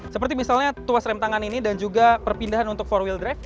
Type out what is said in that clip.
seperti misalnya tuas rem tangan ini dan juga perpindahan untuk empat wd